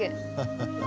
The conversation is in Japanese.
ハハハハ。